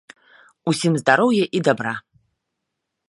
Усім здароўя і дабра.